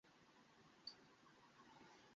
দুপুর বেলা তারা সেখানে পৌঁছেন।